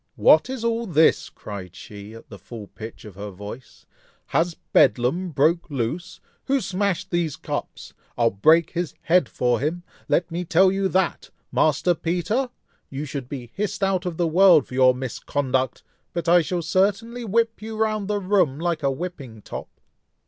"What is all this!" cried she, at the full pitch of her voice, "has bedlam broke loose! who smashed these cups? I'll break his head for him, let me tell you that! Master Peter! you should be hissed out of the world for your misconduct; but I shall certainly whip you round the room like a whipping top."